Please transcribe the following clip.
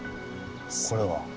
これは。